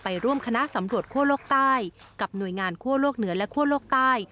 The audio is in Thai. ร่วมคณะสำรวจคั่วโลกใต้กับหน่วยงานคั่วโลกเหนือและคั่วโลกใต้